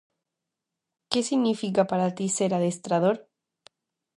Que significa para ti ser adestrador?